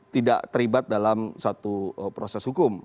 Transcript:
tidak teribat dalam satu proses hukum